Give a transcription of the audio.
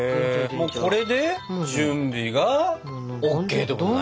もうこれで準備がＯＫってことだね。